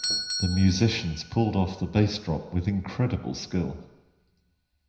The musicians pulled off the bass drop with incredible skill.